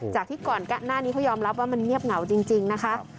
จากที่ก่อนหน้านี้เขายอมรับว่ามันเงียบเหงาจริงนะคะ